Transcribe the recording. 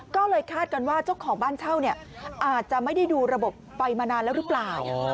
ก็เลยคาดกันว่าเจ้าของบ้านเช่าเนี่ยอาจจะไม่ได้ดูระบบไฟมานานแล้วหรือเปล่า